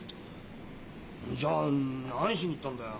じゃあ何しに行ったんだよ？